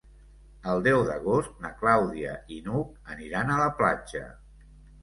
El deu d'agost na Clàudia i n'Hug aniran a la platja.